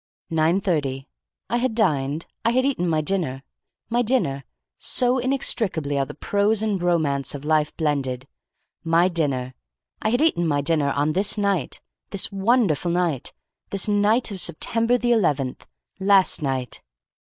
"Nine thirty. I had dined. I had eaten my dinner. My dinner! So inextricably are the prose and romance of life blended. My dinner! I had eaten my dinner on this night. This wonderful night. This night of September the eleventh. Last night!